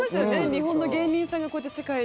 日本の芸人さんがこうやって世界で。